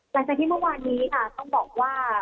หลังจากที่เมื่อวานนี้ค่ะต้องบอกว่า